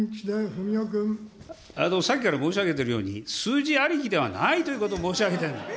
さっきから申し上げてるように、数字ありきではないということを申し上げている。